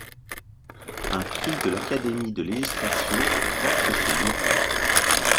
Un prix de l'Académie de législation porte son nom.